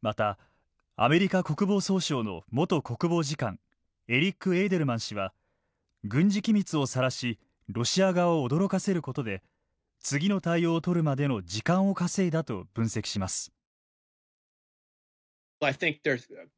また、アメリカ国防総省の元国防次官エリック・エーデルマン氏は軍事機密をさらしロシア側を驚かせることで次の対応をとるまでの時間を稼いだと分析します。